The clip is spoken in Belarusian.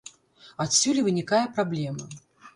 Адсюль і вынікае праблема.